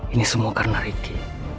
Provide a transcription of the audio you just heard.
ini semua karena ricky